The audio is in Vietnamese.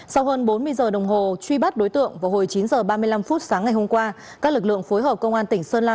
sau hơn bốn mươi giờ đồng hồ truy bắt đối tượng vào hồi chín h ba mươi năm phút sáng ngày hôm qua các lực lượng phối hợp công an tỉnh sơn la